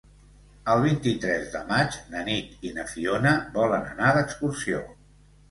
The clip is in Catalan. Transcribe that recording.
El vint-i-tres de maig na Nit i na Fiona volen anar d'excursió.